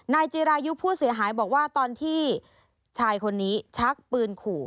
จีรายุผู้เสียหายบอกว่าตอนที่ชายคนนี้ชักปืนขู่